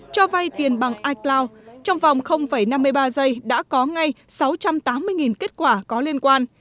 cho vay tiền bằng icloud trong vòng năm mươi ba giây đã có ngay sáu trăm tám mươi kết quả có liên quan